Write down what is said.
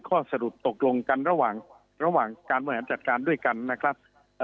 ข้อสรุปตกลงกันระหว่างระหว่างการบริหารจัดการด้วยกันนะครับ